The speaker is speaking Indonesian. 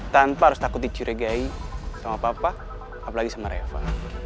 tanpa harus takut dicurigai sama papa apalagi sama reva